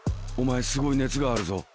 お前すごい熱があるぞ。